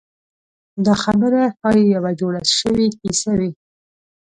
دا خبره ښایي یوه جوړه شوې کیسه وي.